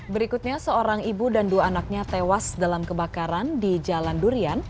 berikutnya seorang ibu dan dua anaknya tewas dalam kebakaran di jalan durian